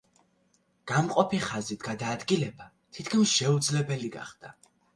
გამყოფი ხაზით გადაადგილება თითქმის შეუძლებელი გახდა.